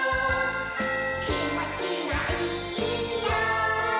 「きもちがいいよ」